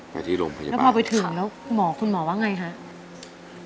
ไปที่โรงพยาบาลแล้วพอไปถึงแล้วหมอคุณหมอว่าไงคะ